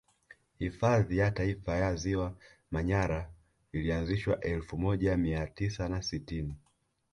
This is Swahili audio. Hifadhi ya Taifa ya ziwa Manyara ilianzishwa elfu moja mia tisa na sitini